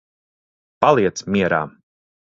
Paliec mierā.